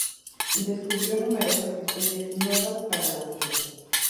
Describió numerosas especies nuevas para la ciencia.